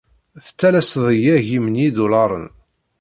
Tettalaseḍ-iyi agim n yidulaṛen.